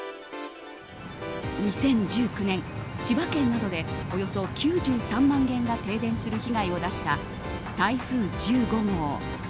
２０１９年、千葉県などでおよそ９３万軒が停電する被害を出した台風１５号。